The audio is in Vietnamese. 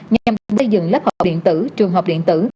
nhằm bắt đầu xây dựng lớp học điện tử trường học điện tử